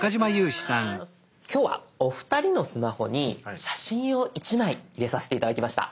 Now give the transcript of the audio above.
今日はお二人のスマホに写真を１枚入れさせて頂きました。